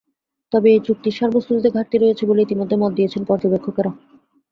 তবে এই চুক্তির সারবস্তুতে ঘাটতি রয়েছে বলে ইতিমধ্যে মত দিয়েছেন পর্যবেক্ষকেরা।